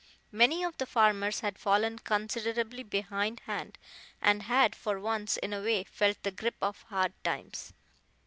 Many of the farmers had fallen considerably behindhand, and had for once in a way felt the grip of hard times.